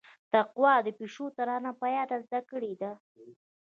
تقوا د پيشو ترانه په ياد زده کړيده.